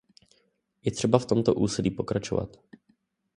Je třeba v tomto úsilí pokračovat.